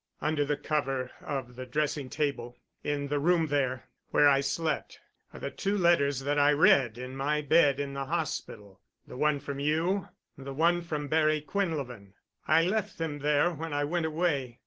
"Under the cover of the dressing table, in the room there, where I slept, are the two letters that I read in my bed in the hospital—the one from you—the one from Barry Quinlevin. I left them there when I went away.